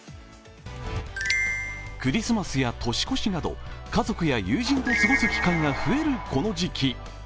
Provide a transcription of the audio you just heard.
クリスマスや年越しなど家族や友人と過ごす機会が増えるこの時期。